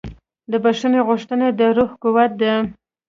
د بښنې غوښتنه د روح قوت ده.